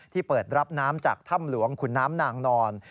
เปิดรับน้ำจากถ้ำหลวงขุนน้ำนางนอน